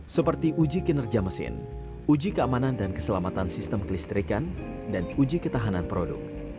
seperti uji kinerja mesin uji keamanan dan keselamatan sistem kelistrikan dan uji ketahanan produk